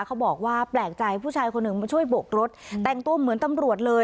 เขาบอกว่าแปลกใจผู้ชายคนหนึ่งมาช่วยโบกรถแต่งตัวเหมือนตำรวจเลย